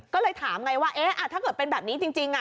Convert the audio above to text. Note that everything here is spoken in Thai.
ก็เลยถามไงว่าถ้าเกิดเป็นแบบนี้จริง